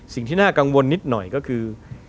สิ่งที่น่ากังวลนิดหน่อยก็คือ